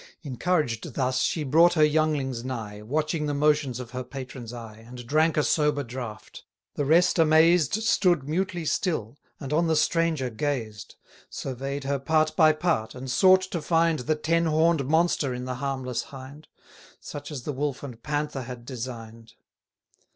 Encouraged thus she brought her younglings nigh, Watching the motions of her patron's eye, And drank a sober draught; the rest amazed Stood mutely still, and on the stranger gazed; Survey'd her part by part, and sought to find The ten horn'd monster in the harmless Hind, Such as the Wolf and Panther had design'd.